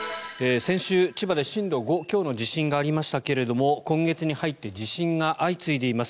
先週、千葉で震度５強の地震がありましたが今月に入って地震が相次いでいます。